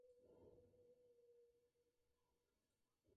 La expedición tuvo graves problemas desde el mismo momento de su partida.